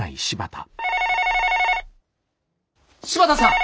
☎柴田さん！